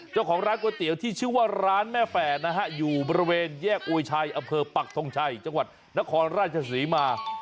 เจ้าของร้านก๋วยเตี๋ยวที่ชื่อว่าร้านแม่แฝดนะฮะอยู่บริเวณแยกอวยชัยอำเภอปักทงชัยจังหวัดนครราชศรีมา